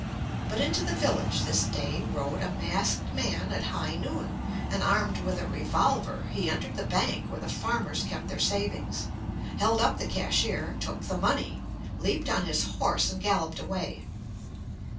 But into the village this day rode a masked man at high noon, and armed with a revolver he entered the bank where the farmers kept their savings, held up the cashier, took the money, leaped on his horse and galloped away.